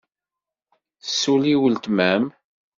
Tessulli weltma-m?